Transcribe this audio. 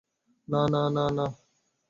না, না, না, না, না।